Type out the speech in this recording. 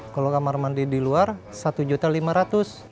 kalau kamar mandi di luar rp satu lima ratus